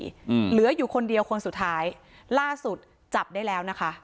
อืมเหลืออยู่คนเดียวคนสุดท้ายล่าสุดจับได้แล้วนะคะ